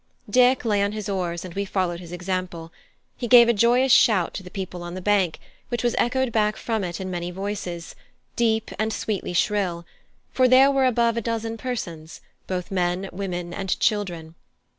Dick lay on his oars, and we followed his example. He gave a joyous shout to the people on the bank, which was echoed back from it in many voices, deep and sweetly shrill; for there were above a dozen persons, both men, women, and children.